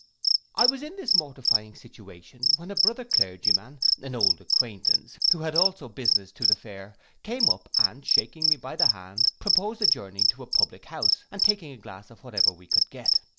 I was in this mortifying situation, when a brother clergyman, an old acquaintance, who had also business to the fair, came up, and shaking me by the hand, proposed adjourning to a public house and taking a glass of whatever we could get.